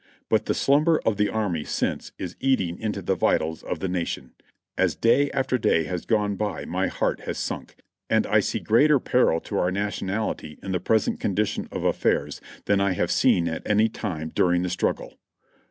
But the slum ber of the army since is eating into the vitals of the Nation. As day after day has gone by my heart has sunk, and I see greater peril to our nationality in the present condition of affairs than I have seen at any time during the struggle.